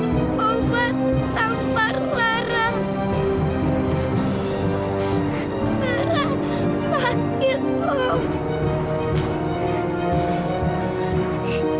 lara mau ikut sama om